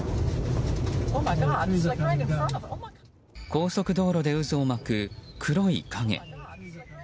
高速道路で渦を巻く黒い影。